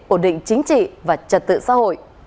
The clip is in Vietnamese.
ổn định chính trị và trật tự xã hội